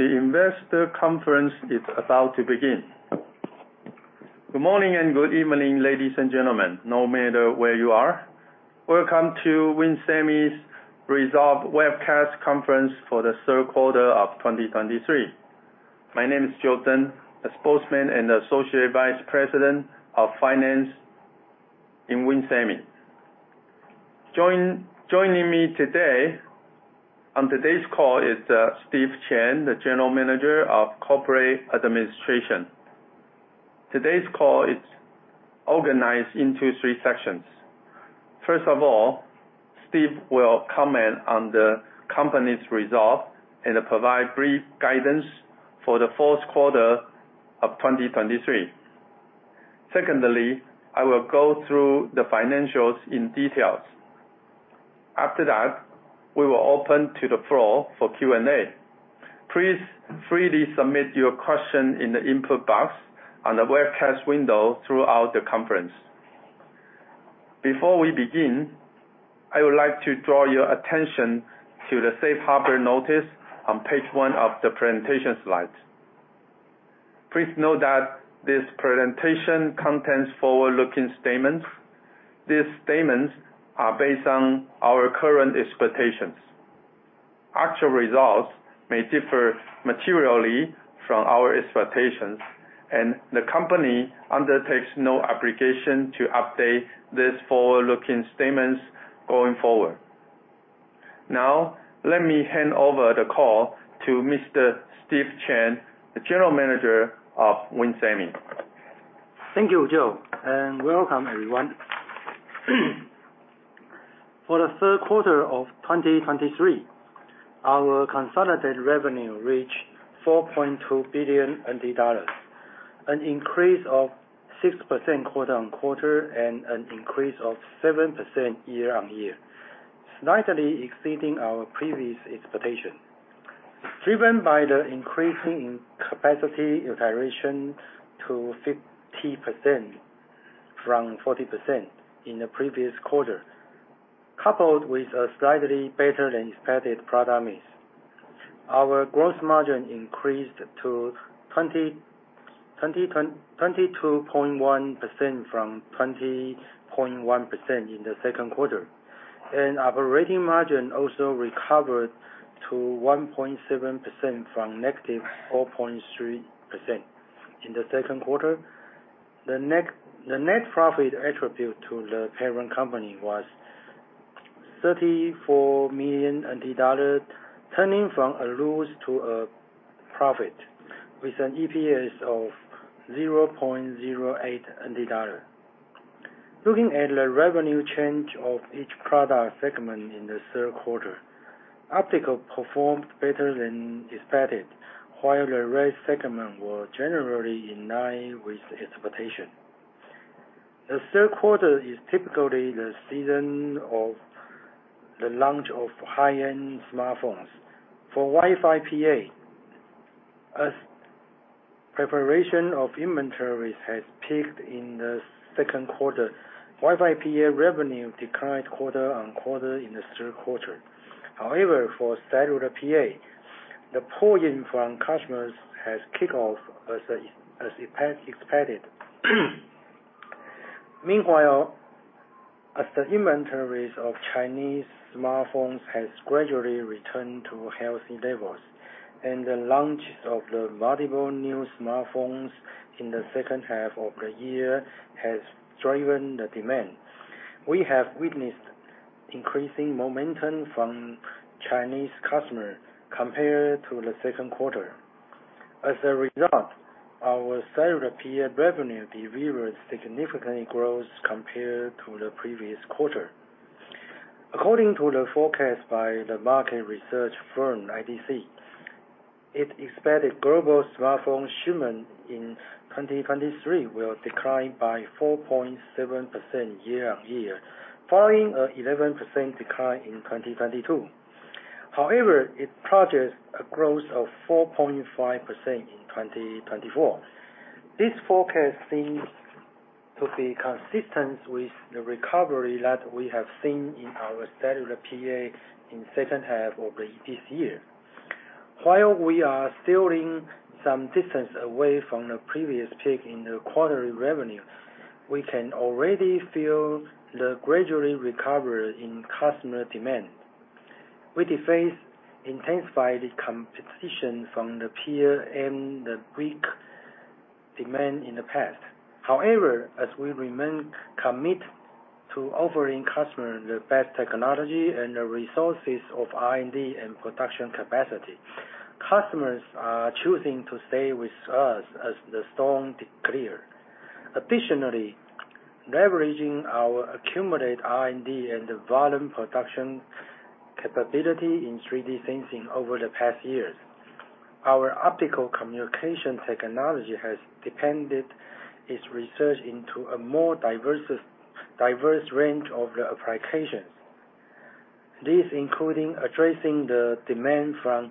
The investor conference is about to begin. Good morning and good evening, ladies and gentlemen, no matter where you are. Welcome to WIN Semi's result webcast conference for the third quarter of 2023. My name is Joe Tseng, the spokesman and Associate Vice President of Finance in WIN Semi. Joining me today, on today's call, is Steve Chen, the General Manager of Corporate Administration. Today's call is organized into three sections. First of all, Steve will comment on the company's results and provide brief guidance for the fourth quarter of 2023. Secondly, I will go through the financials in details. After that, we will open to the floor for Q&A. Please freely submit your question in the input box on the webcast window throughout the conference. Before we begin, I would like to draw your attention to the safe harbor notice on page one of the presentation slides. Please note that this presentation contains forward-looking statements. These statements are based on our current expectations. Actual results may differ materially from our expectations, and the company undertakes no obligation to update these forward-looking statements going forward. Now, let me hand over the call to Mr. Steve Chen, the General Manager of WIN Semi. Thank you, Joe, and welcome, everyone. For the third quarter of 2023, our consolidated revenue reached 4.2 billion, an increase of 6% quarter-on-quarter, and an increase of 7% year-on-year, slightly exceeding our previous expectation. Driven by the increasing capacity utilization to 50% from 40% in the previous quarter, coupled with a slightly better-than-expected product mix, our gross margin increased to 22.1% from 20.1% in the second quarter. Operating margin also recovered to 1.7% from negative 4.3% in the second quarter. The net profit attribute to the parent company was 34 million NT dollars, turning from a loss to a profit, with an EPS of 0.08 NT dollar. Looking at the revenue change of each product segment in the third quarter, optical performed better than expected, while the rest segment were generally in line with expectation. The third quarter is typically the season of the launch of high-end smartphones. For Wi-Fi PA, as preparation of inventories has peaked in the second quarter, Wi-Fi PA revenue declined quarter-on-quarter in the third quarter. However, for cellular PA, the pull-in from customers has kicked off as expected. Meanwhile, as the inventories of Chinese smartphones has gradually returned to healthy levels, and the launch of the multiple new smartphones in the second half of the year has driven the demand. We have witnessed increasing momentum from Chinese customers compared to the second quarter. As a result, our cellular PA revenue delivered significant growth compared to the previous quarter. According to the forecast by the market research firm IDC, it expected global smartphone shipments in 2023 will decline by 4.7% year-on-year, following an 11% decline in 2022. However, it projects a growth of 4.5% in 2024. This forecast seems to be consistent with the recovery that we have seen in our cellular PA in second half of this year. While we are still in some distance away from the previous peak in the quarterly revenue, we can already feel the gradual recovery in customer demand. We faced intensified competition from the peers and the weak demand in the past. However, as we remain committed to offering customers the best technology and the resources of R&D and production capacity, customers are choosing to stay with us as the storm clears. Additionally, leveraging our accumulated R&D and the volume production capability in 3D sensing over the past years, our optical communication technology has expanded its research into a more diverse range of the applications. This, including addressing the demand from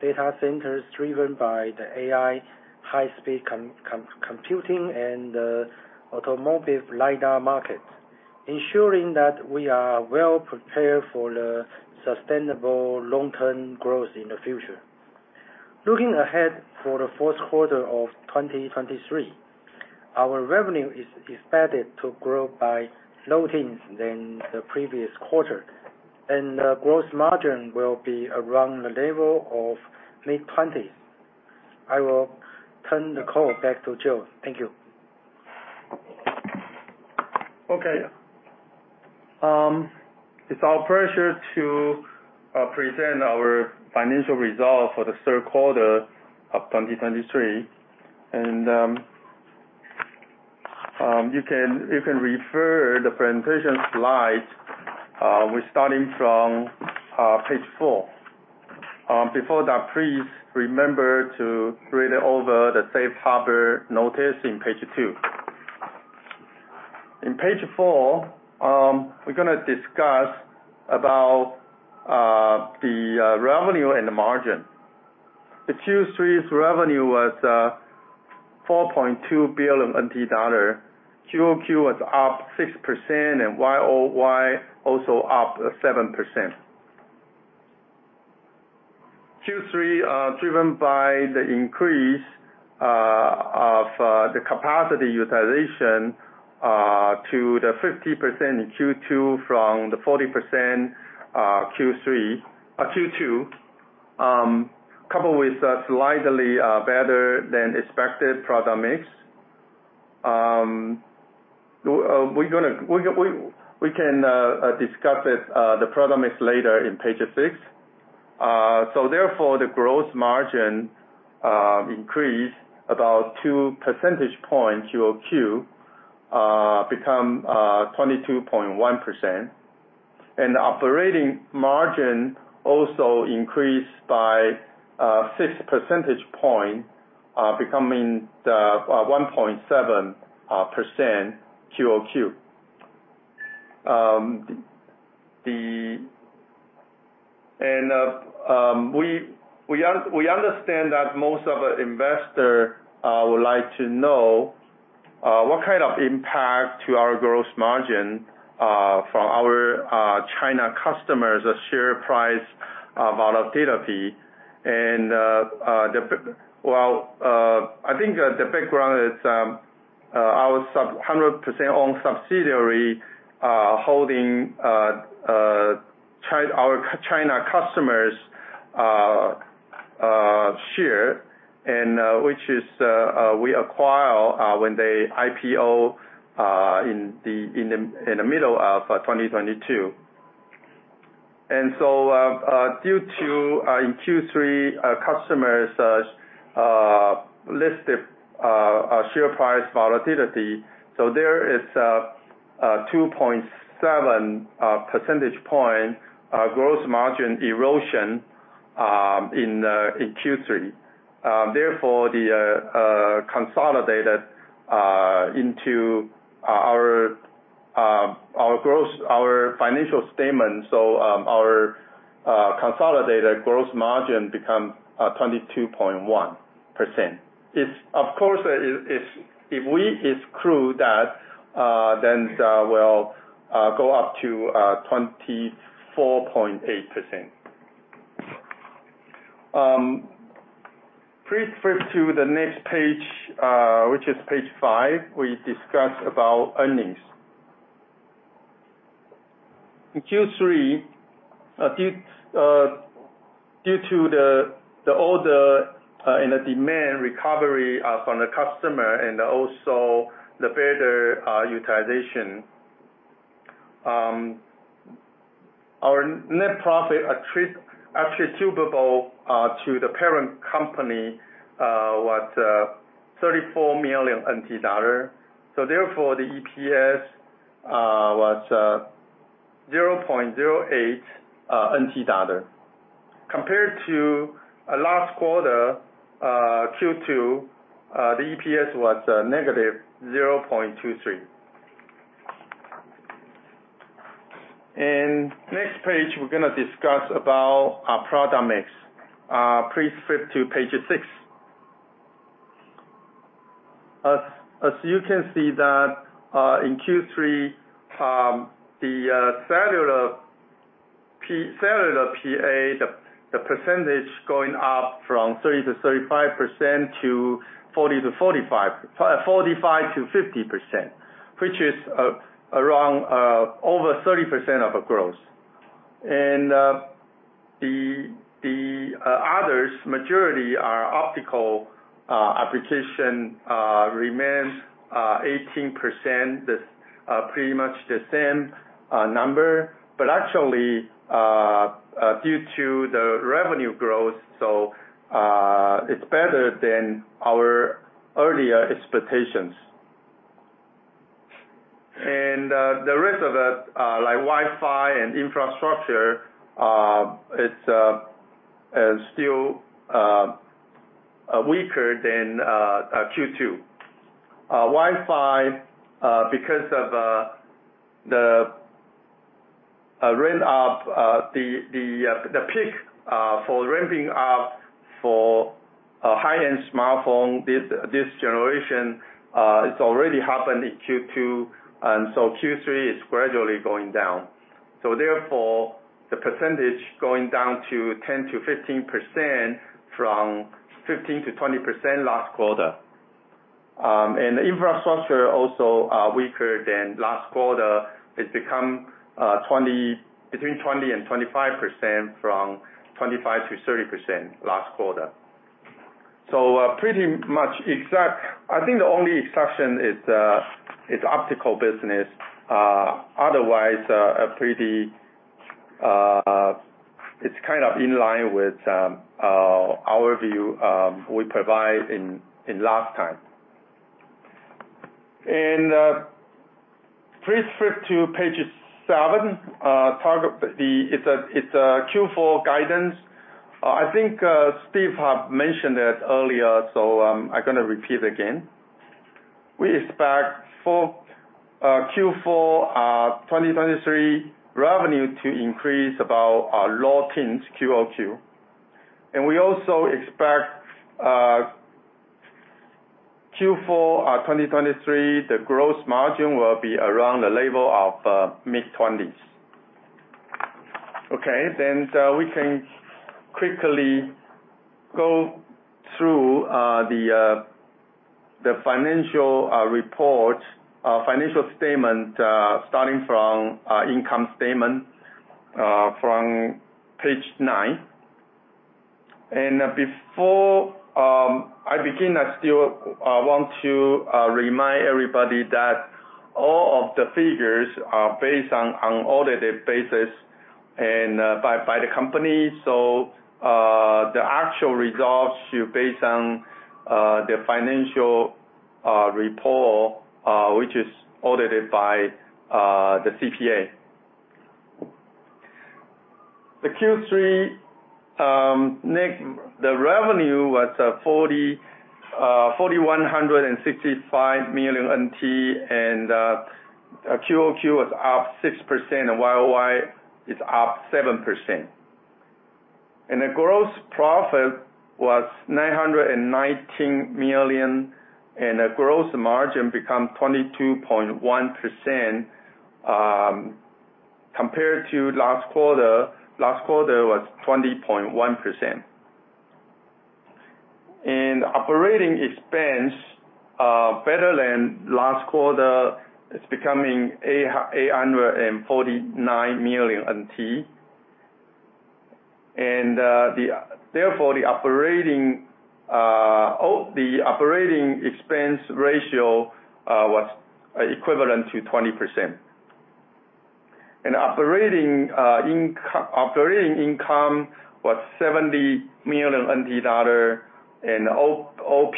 data centers driven by the AI, high-speed computing and automotive LiDAR market, ensuring that we are well prepared for the sustainable long-term growth in the future. Looking ahead for the fourth quarter of 2023, our revenue is expected to grow by low teens than the previous quarter, and the gross margin will be around the level of mid-twenties. I will turn the call back to Joe. Thank you. Okay. It's our pleasure to present our financial results for the third quarter of 2023. You can refer to the presentation slides, we're starting from page four. Before that, please remember to read over the safe harbor notice in page two. In page four, we're gonna discuss the revenue and the margin. Q3's revenue was 4.2 billion NT dollar. Quarter-over-quarter was up 6% and year-over-year also up 7%. Q3 was driven by the increase of the capacity utilization to 50% in Q3 from 40% in Q2, coupled with a slightly better than expected product mix. We can discuss the product mix later in page six. So, therefore, the gross margin increased about 2 percentage points QOQ, become 22.1%. And operating margin also increased by 6 percentage point, becoming the 1.7% QOQ. We understand that most of our investors would like to know what kind of impact to our gross margin from our China customers, the share price volatility. And, well, I think the background is our sub-100%-owned subsidiary holding our China customers shares, which is we acquire when they IPO in the middle of 2022. Due to, in Q3, customers listed share price volatility, so there is a 2.7 percentage point gross margin erosion in Q3. Therefore, the consolidated into our, our gross, our financial statement, so our consolidated gross margin become 22.1%. It's of course, it, it, if we exclude that, then that will go up to 24.8%. Please flip to the next page, which is page five. We discuss about earnings. In Q3, due to the order and the demand recovery from the customer and also the better utilization, our net profit attributable to the parent company was 34 million NT dollar. So therefore, the EPS was 0.08 NT. Compared to last quarter, Q2, the EPS was TWD -0.23. And next page, we're gonna discuss about our product mix. Please flip to page six. As you can see that in Q3, the cellular PA, the percentage going up from 30%-35% to 40%-45%, 45%-50%, which is around over 30% of the growth. And the others, majority are optical application remains 18%. That's pretty much the same number, but actually due to the revenue growth, so it's better than our earlier expectations. The rest of it, like Wi-Fi and infrastructure, is still weaker than Q2. Wi-Fi, because of the ramp up, the peak for ramping up for a high-end smartphone, this generation, it's already happened in Q2, and so Q3 is gradually going down. So therefore, the percentage going down to 10%-15% from 15%-20% last quarter. And the infrastructure also weaker than last quarter. It's become between 20%-25% from 25%-30% last quarter. So, pretty much exact. I think the only exception is optical business. Otherwise, it's kind of in line with our view we provide in last time. Please flip to page 7. It's a Q4 guidance. I think Steve have mentioned it earlier, so I'm gonna repeat again. We expect for Q4 2023 revenue to increase about low teens QoQ. And we also expect Q4 2023 the gross margin will be around the level of mid-twenties. Okay, then we can quickly go through the financial report financial statement starting from our income statement from page nine. And before I begin, I still want to remind everybody that all of the figures are based on unaudited basis and by the company. So the actual results should based on the financial report which is audited by the CPA. Q3 net, the revenue was 4,165 million NT, QOQ was up 6%, and YOY is up 7%. The gross profit was 919 million, and the gross margin become 22.1% compared to last quarter. Last quarter was 20.1%. Operating expense, better than last quarter. It's becoming 849 million NT. Therefore, the operating expense ratio was equivalent to 20%. Operating income was 70 million NT dollar, and OP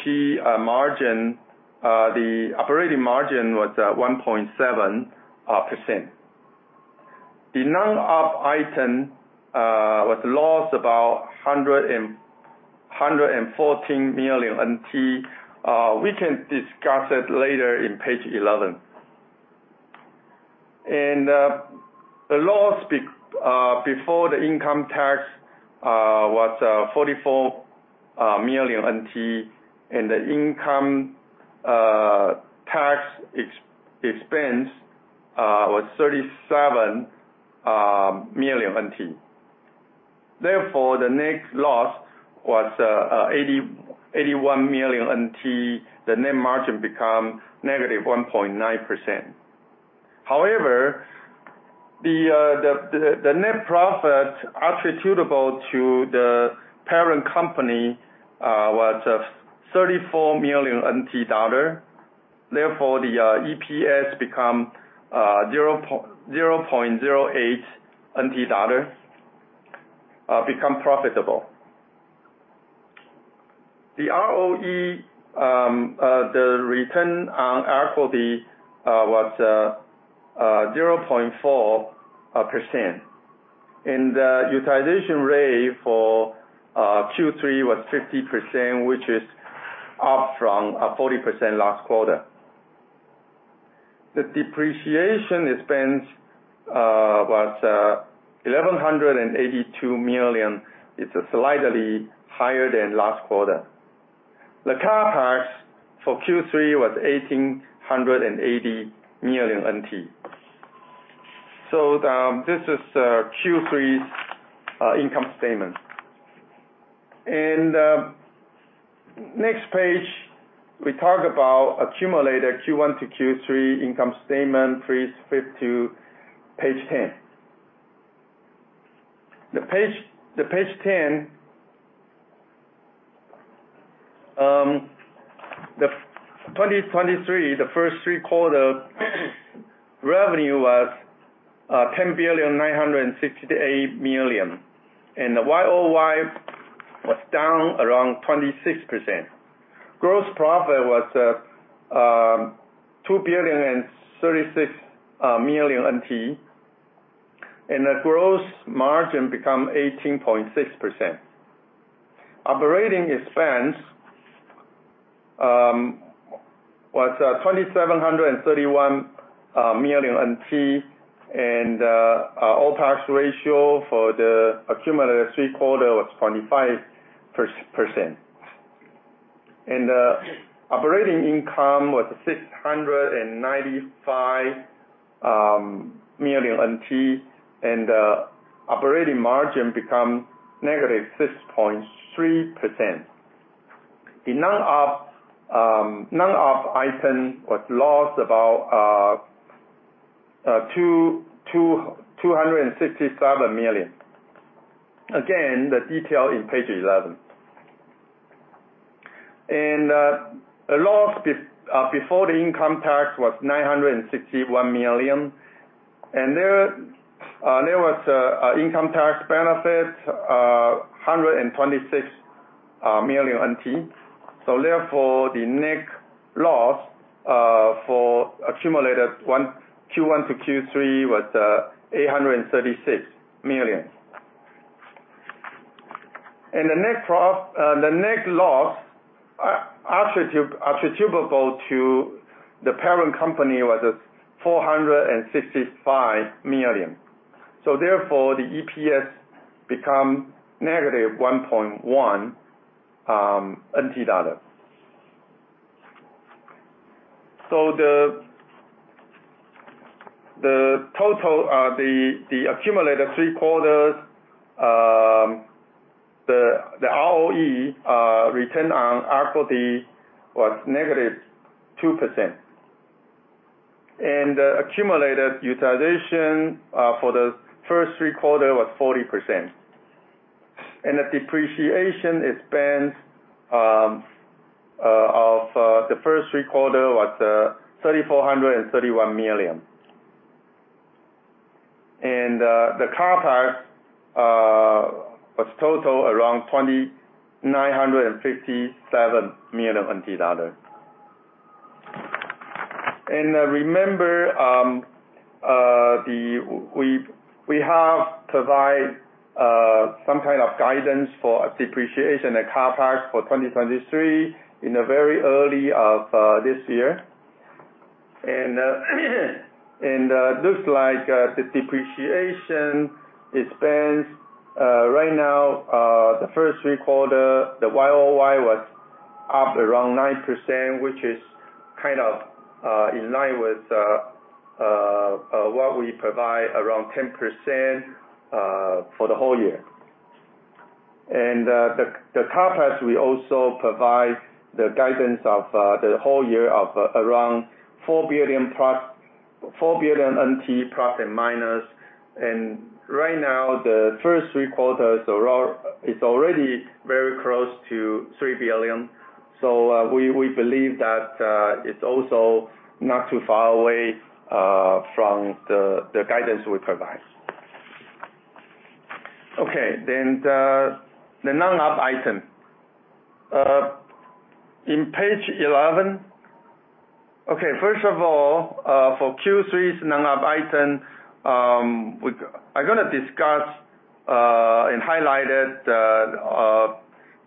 margin, the operating margin was 1.7%. The non-op item was lost about 114 million NT. We can discuss it later in page eleven. The loss before the income tax was 44 million NT, and the income tax expense was 37 million NT. Therefore, the net loss was 81 million NT. The net margin become negative 1.9%. However, the net profit attributable to the parent company was 34 million NT dollar. Therefore, the EPS become 0.08 NT dollar, become profitable. The ROE, the return on equity, was 0.4%. The utilization rate for Q3 was 50%, which is up from 40% last quarter. The depreciation expense was 1,182 million. It's slightly higher than last quarter. The CapEx for Q3 was 1,880 million NT. This is Q3's income statement. Next page, we talk about accumulated Q1 to Q3 income statement. Please flip to page 10. Page 10, the 2023, the first three quarter revenue was 10,968 million, and the year-over-year was down around 26%. Gross profit was 2,036 million NT, and the gross margin become 18.6%. Operating expense was TWD 2,731 million, and our OpEx ratio for the accumulated three quarter was 25%. Operating income was 695 million NT, and operating margin become negative 6.3%. The non-op item was lost about 267 million. Again, the detail in page 11. The loss before the income tax was 961 million, and there was an income tax benefit, 126 million NT. Therefore, the net loss for accumulated Q1 to Q3 was 836 million. The net loss attributable to the parent company was 465 million. Therefore, the EPS become negative TWD 1.1. The total, the accumulated three quarters, the ROE, return on equity, was negative 2%. The accumulated utilization for the first three quarter was 40%. The depreciation expense of the first three quarter was 3,431 million. The CapEx was total around 2,957 million NT dollar. Remember, the- we, we have provide some kind of guidance for depreciation and CapEx for 2023 in the very early of this year. Looks like the depreciation expense right now, the first three quarter, the year-over-year was up around 9%, which is kind of in line with what we provide, around 10% for the whole year. The CapEx, we also provide the guidance of the whole year of around 4 billion NT+, plus and minus. Right now, the first three quarters are al- it's already very close to 3 billion. We believe that it's also not too far away from the guidance we provide. Okay, the non-op item. In page eleven... First of all, for Q3's non-op item, we-- I'm gonna discuss and highlight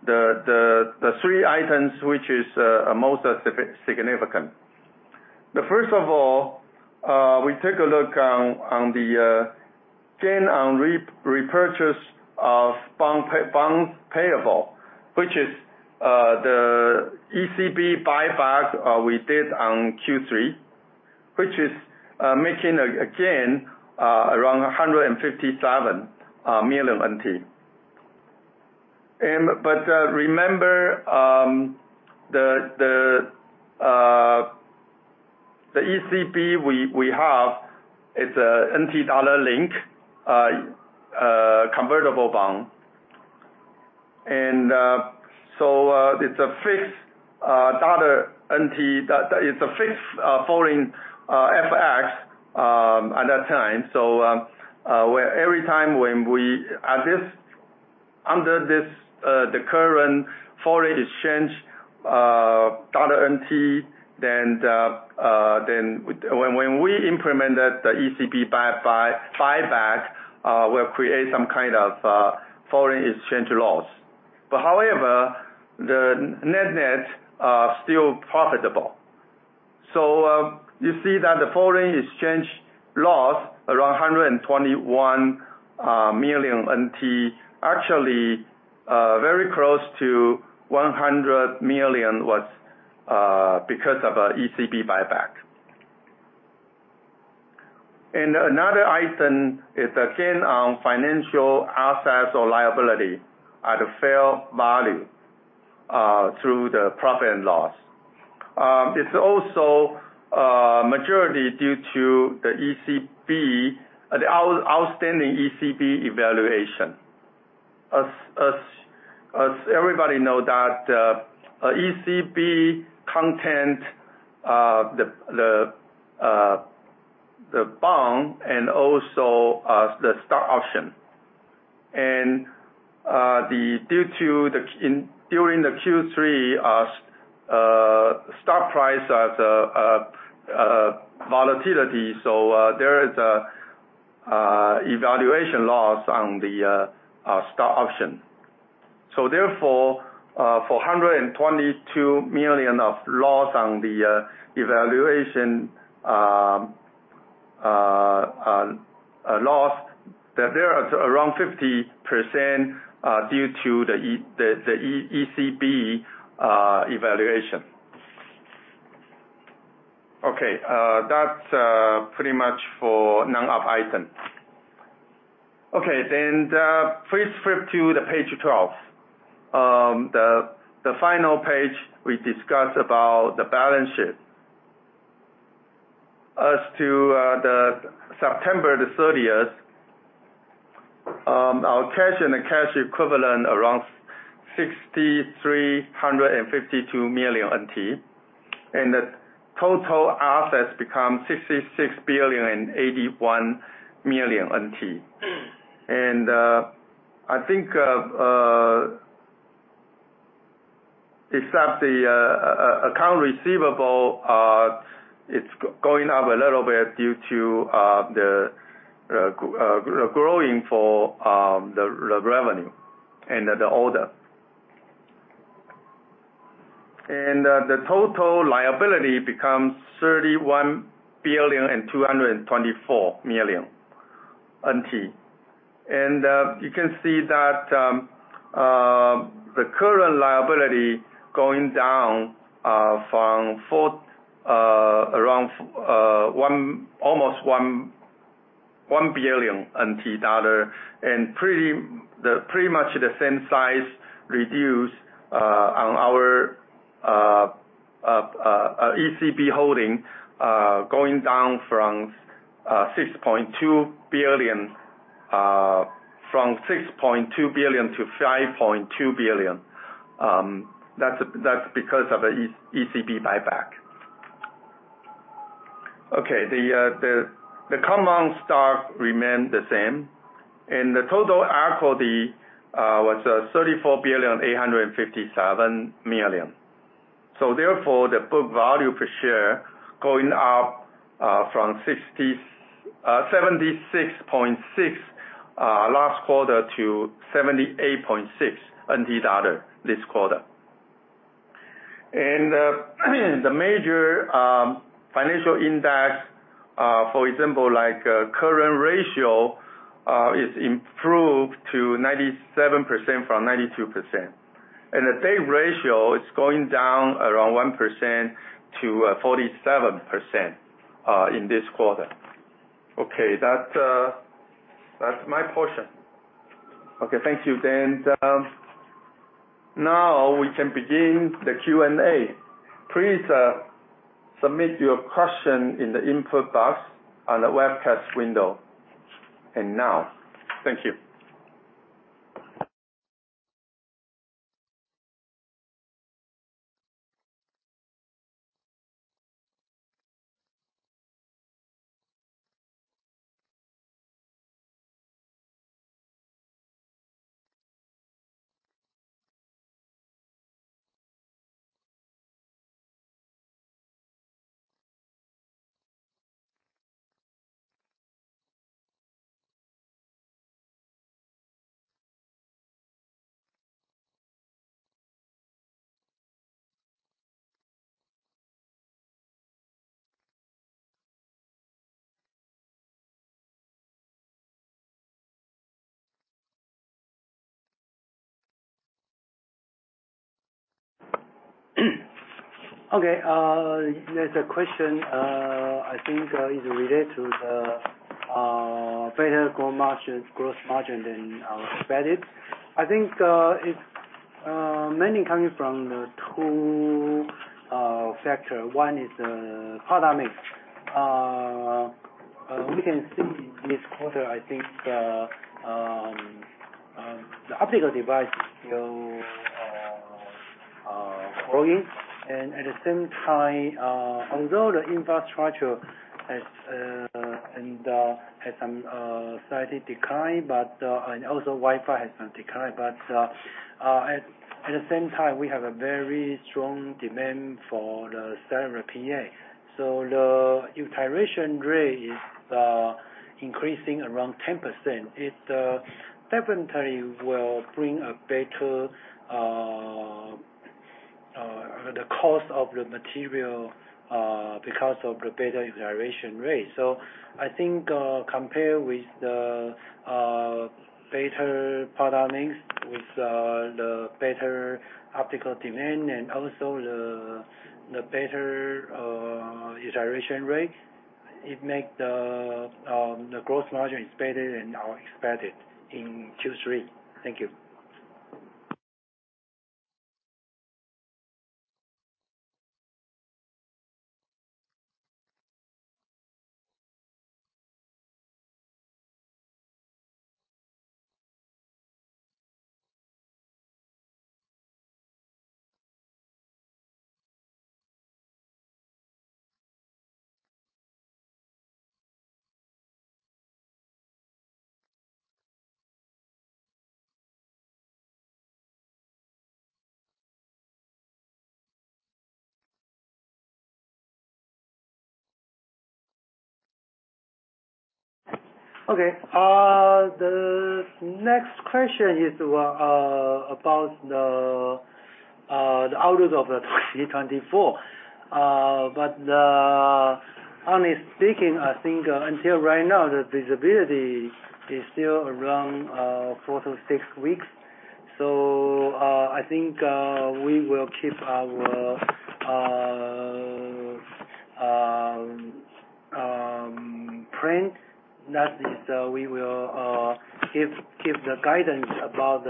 the three items which are most significant. First of all, we take a look on the gain on repurchase of bonds payable, which is the ECB buyback we did in Q3, which is making a gain around 157 million NT. Remember, the ECB we have, it's a NT dollar-linked convertible bond. So, it's a fixed NT dollar, that is a fixed foreign FX at that time. So, where every time when we at this under this, the current foreign exchange, NT dollar, then then when, when we implemented the ECB buyback, will create some kind of foreign exchange loss. But however, the net-net are still profitable. So, you see that the foreign exchange loss, around 121 million NT, actually, very close to 100 million, was because of a ECB buyback. And another item is, again, on financial assets or liability at a fair value through the profit and loss. It's also majority due to the ECB, the outstanding ECB evaluation. As everybody know, ECB content, the bond and also the stock option. Due to the, in during the Q3, stock price as volatility, there is a evaluation loss on the stock option. Therefore, for 122 million of loss on the evaluation loss, there is around 50% due to the ECB evaluation. Okay, that's pretty much for non-op item. Please flip to the page 12. The final page, we discuss about the balance sheet. As to September the thirtieth, our cash and the cash equivalent around 6,352 million NT. The total assets become 66,081,000,000 NT. I think, except the account receivable, it's going up a little bit due to the growing for the revenue and the order. The total liability becomes 31,224,000,000 NT. You can see that the current liability going down from around 1 billion NT dollar, and pretty much the same size reduce on our ECB holding, going down from 6.2 billion to 5.2 billion. That's because of the ECB buyback. The common stock remained the same, and the total equity was 34,857,000,000. Therefore, the book value per share going up from 60, 76.6 last quarter, to 78.6 NT dollar this quarter. The major financial index, for example, like current ratio, is improved to 97% from 92%. The debt ratio is going down around 1% to 47% in this quarter. Okay, that's my portion. Okay, thank you. Now we can begin the Q&A. Please submit your question in the input box on the webcast window. Thank you. Okay, there's a question I think is related to the better gross margin, gross margin than our expected. I think it's mainly coming from the two factor. One is the product mix. We can see this quarter, I think, the optical device, you know, growing. And at the same time, although the infrastructure has slightly declined, but and also Wi-Fi has not declined. But at the same time, we have a very strong demand for the Cellular PA. So the utilization rate is increasing around 10%. It definitely will bring a better the cost of the material because of the better utilization rate. So I think, compared with the better product mix, with the better optical demand, and also the better utilization rate, it make the the gross margin expected and now expected in Q3. Thank you. ...Okay, the next question is about the outlook of 2024. But honestly speaking, I think until right now, the visibility is still around four-six weeks. So I think we will keep our plan. That is, we will give the guidance about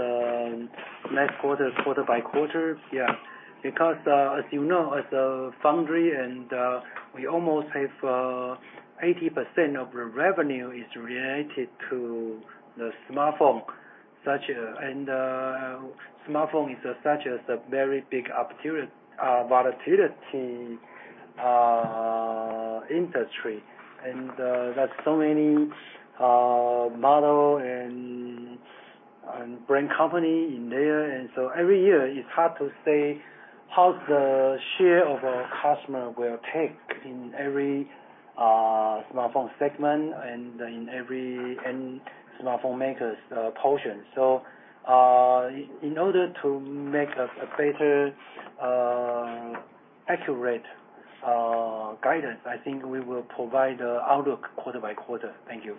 next quarter, quarter by quarter. Yeah. Because as you know, as a foundry and we almost have 80% of the revenue is related to the smartphone. Such, and smartphone is such a very big opportunity volatility industry. And there's so many model and brand company in there, and so every year, it's hard to say how the share of a customer will take in every smartphone segment and in every end smartphone maker's portion. So, in order to make a better accurate guidance, I think we will provide outlook quarter by quarter. Thank you.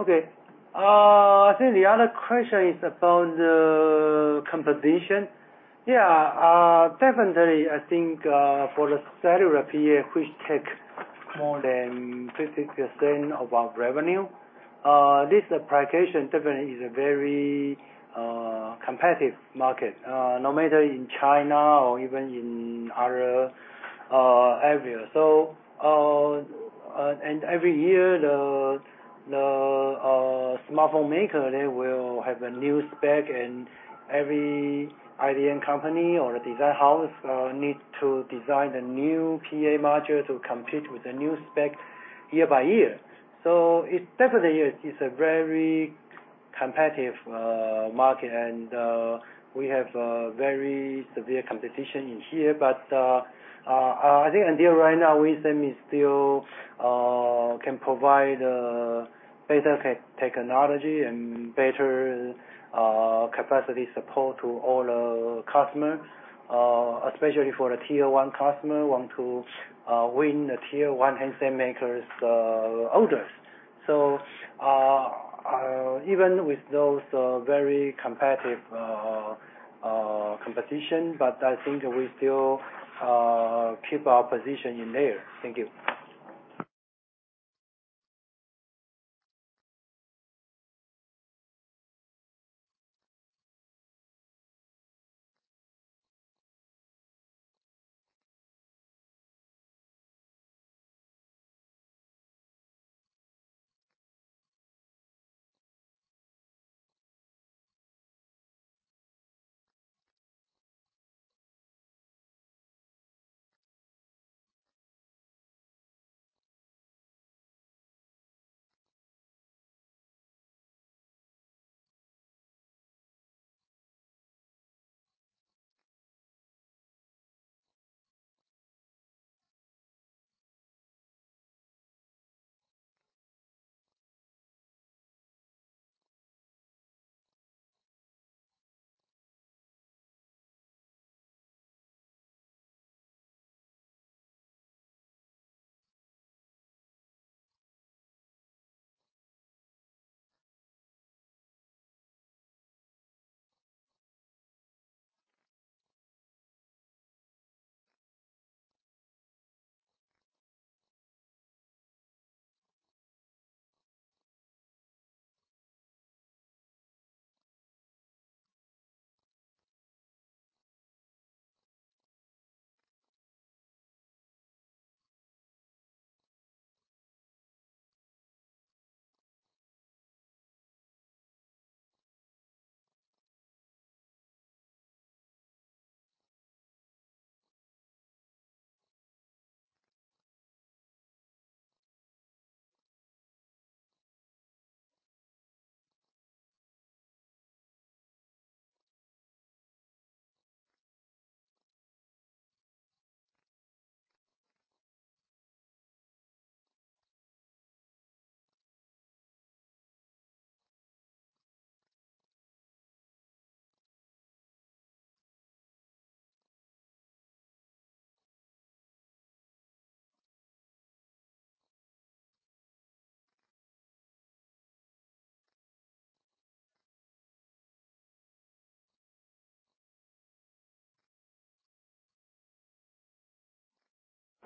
Okay, I think the other question is about the competition. Yeah, definitely, I think, for the Cellular PA, which take more than 50% of our revenue, this application definitely is a very competitive market, no matter in China or even in other area. So, and every year, the smartphone maker, they will have a new spec, and every IDM company or design house need to design a new PA module to compete with the new spec year by year. So it definitely is a very competitive market, and we have very severe competition in here. I think until right now, WIN Semi is still can provide better tech, technology and better capacity support to all the customer, especially for the Tier 1 customer want to win the Tier 1 handset makers orders. So even with those very competitive competition, but I think we still keep our position in there. Thank you.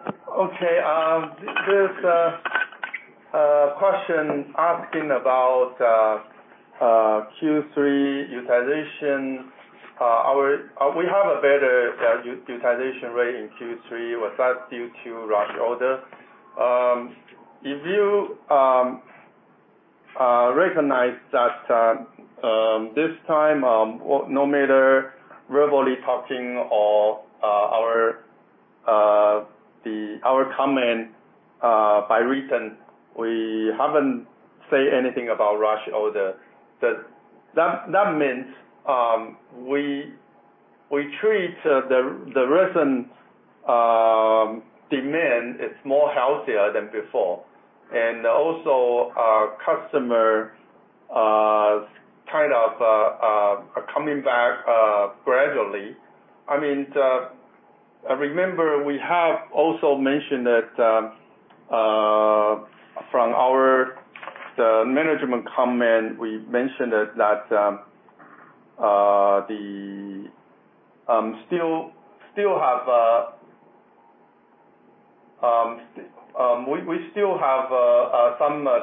...Okay, there's a question asking about Q3 utilization. We have a better utilization rate in Q3. Was that due to rush order? If you recognize that this time, no matter verbally talking or our comment by written, we haven't say anything about rush order. That means we treat the recent demand is more healthier than before, and also our customer kind of are coming back gradually. I mean, I remember we have also mentioned that, from our management comment, we mentioned that we still have some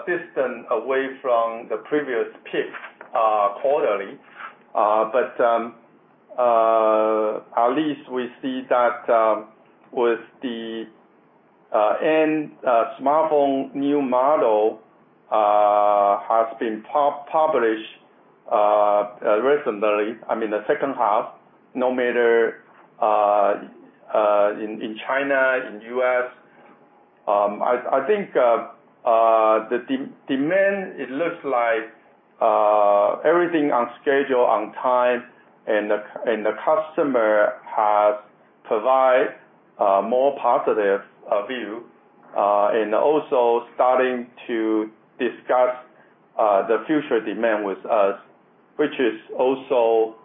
distance away from the previous peak quarterly. At least we see that with the smartphone new model has been published recently, I mean, the second half, no matter in China, in U.S.. I think the demand, it looks like everything on schedule, on time, and the customer has provided a more positive view. Also starting to discuss the future demand with us, which also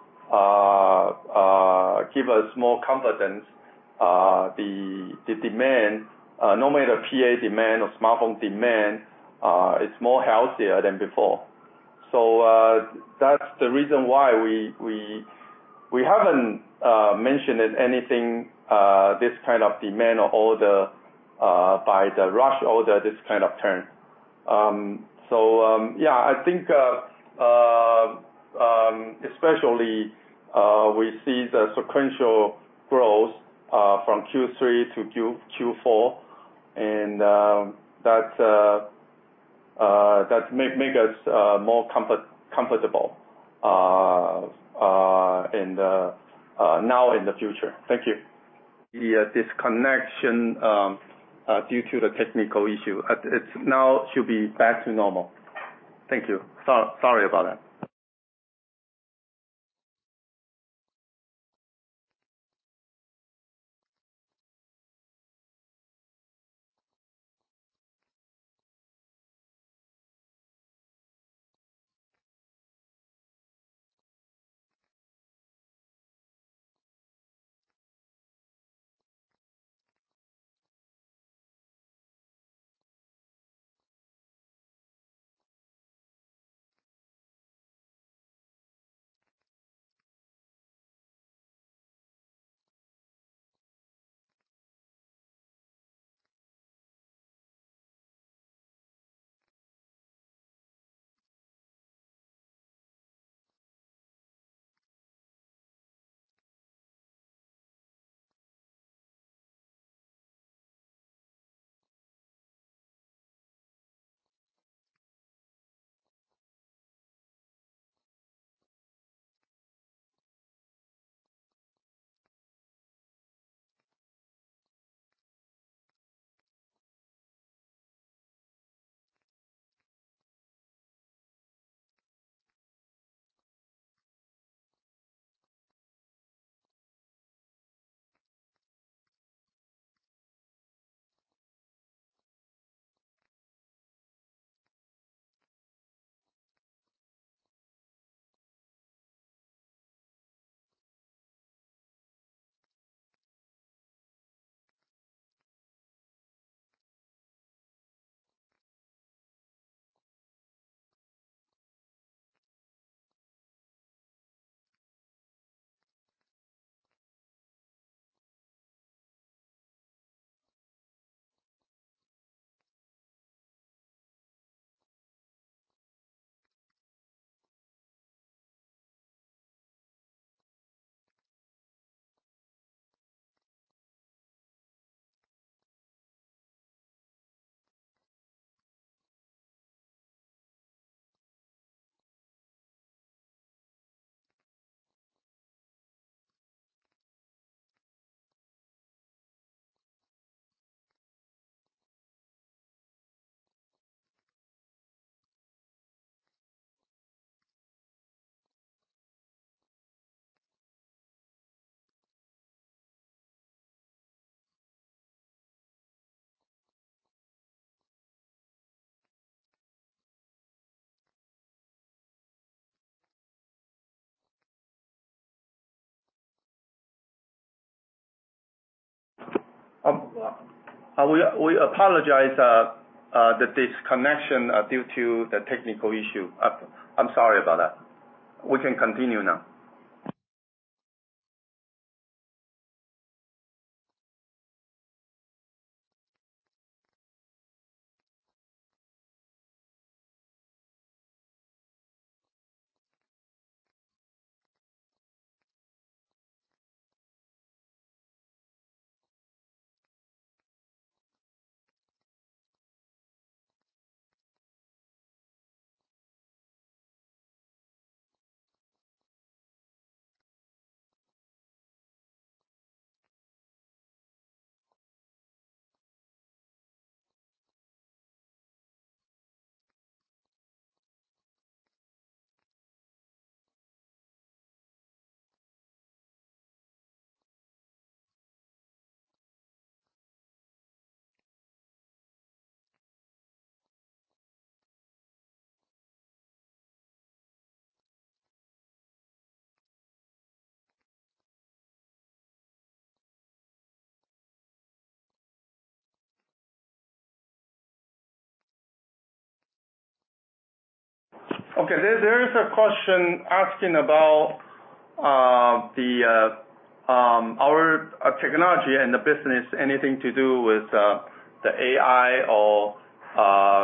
gives us more confidence. The demand, no matter PA demand or smartphone demand, it's more healthy than before. That's the reason why we haven't mentioned anything, this kind of demand or order, by the rush order, this kind of term. So, yeah, I think, especially, we see the sequential growth from Q3 to Q4, and that make us more comfortable in the now and the future. Thank you. The disconnection due to the technical issue, it now should be back to normal. Thank you. Sorry about that. We apologize the disconnection due to the technical issue. I'm sorry about that. We can continue now. Okay, there is a question asking about our technology and the business, anything to do with the AI or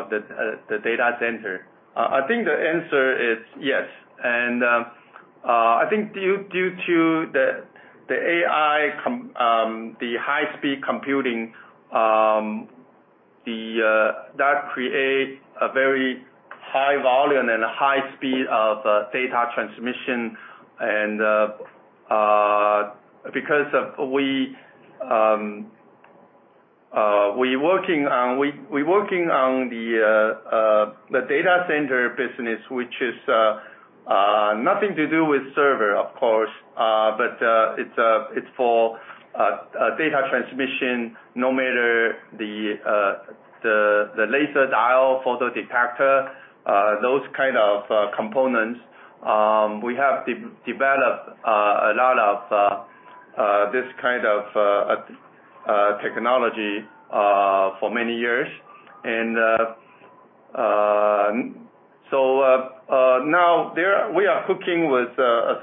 the data center? I think the answer is yes. I think due to the AI computing, the high-speed computing that create a very high volume and a high speed of data transmission. And, because we working on the data center business, which is nothing to do with server, of course, but it's for a data transmission, no matter the laser diode photodetector, those kind of components. We have developed a lot of this kind of technology for many years. And, so, now we are working with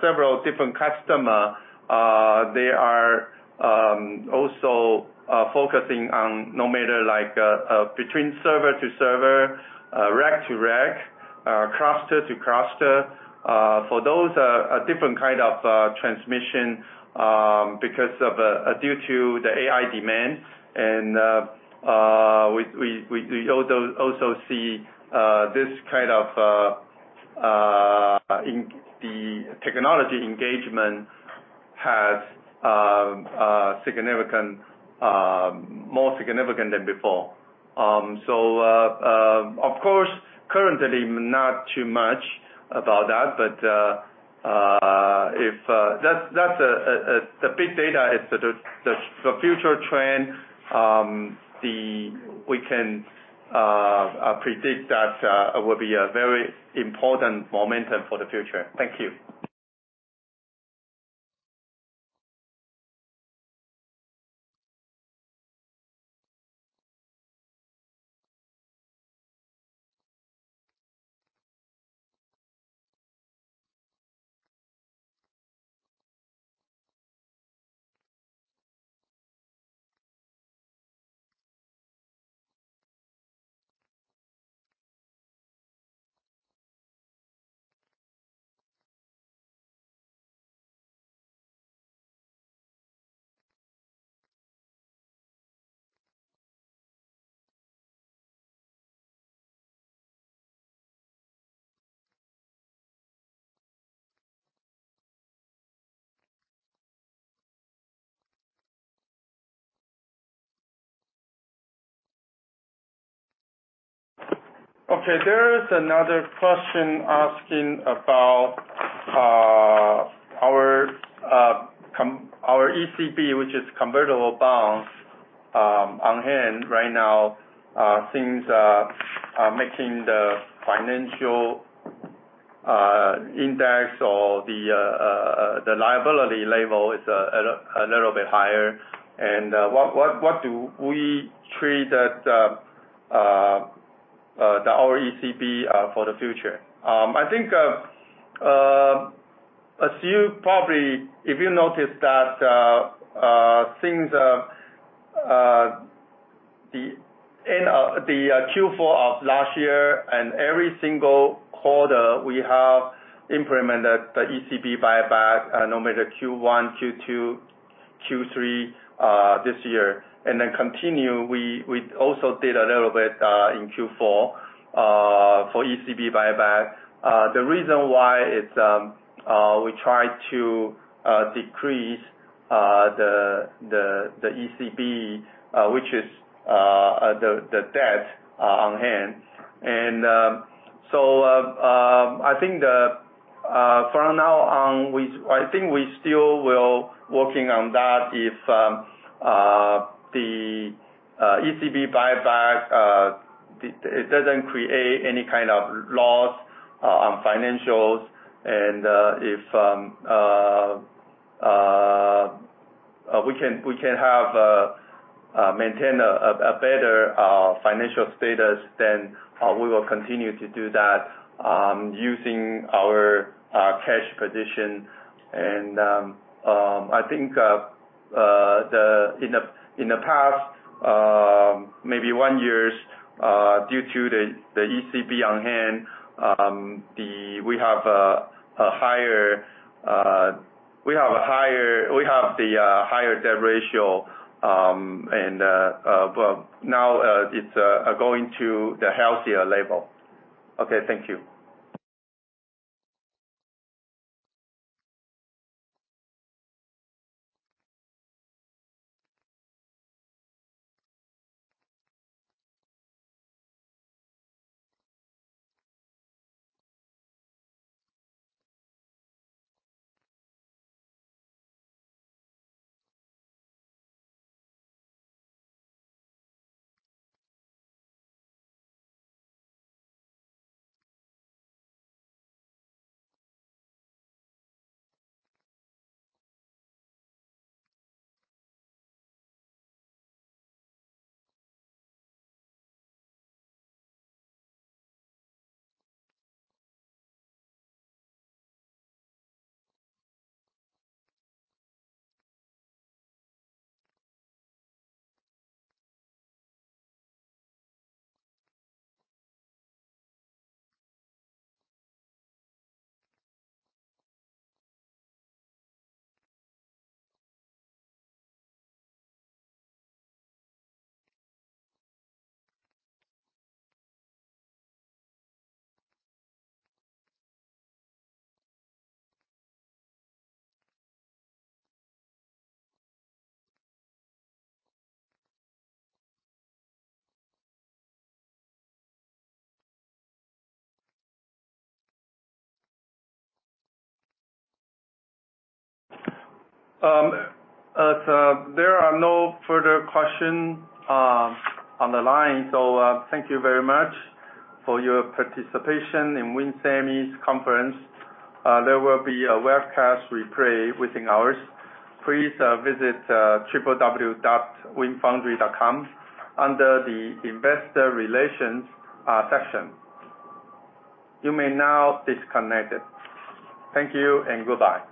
several different customers. They are also focusing on no matter, like, between server to server, rack to rack, cluster to cluster. For those, a different kind of transmission because of due to the AI demand. We also see this kind of in the technology engagement has significant more significant than before. So, of course, currently, not too much about that, but if that's the big data is the future trend, we can predict that it will be a very important momentum for the future. Thank you. Okay, there is another question asking about our com... Our ECB, which is convertible bonds, on hand right now, things are making the financial index or the liability level a little bit higher. What do we treat that, our ECB, for the future? I think, as you probably, if you noticed that, things, the end of the Q4 of last year and every single quarter, we have implemented the ECB buyback, no matter Q1, Q2, Q3 this year, and then continue. We also did a little bit in Q4 for ECB buyback. The reason why is, we try to decrease the ECB, which is the debt on hand. I think from now on, we—I think we still will working on that. If the ECB buyback, it doesn't create any kind of loss on financials and if we can maintain a better financial status than, we will continue to do that using our cash position. And I think in the past, maybe one years, due to the ECB on hand, we have a higher debt ratio, and but now it's going to the healthier level. Okay, thank you. There are no further question on the line, so thank you very much for your participation in WIN Semi's conference. There will be a webcast replay within hours. Please visit www.winfoundry.com under the Investor Relations section. You may now disconnect. Thank you and goodbye.